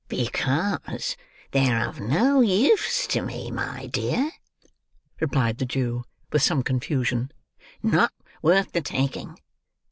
"Because they're of no use to me, my dear," replied the Jew, with some confusion, "not worth the taking.